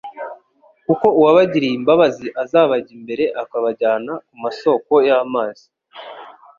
Kuko uwabagiriye imbabazi azabajya imbere, akabajyana ku masoko y'amazi."»